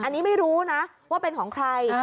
อันนี้ไม่รู้นะว่าเป็นของใคร